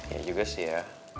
ya juga sih ya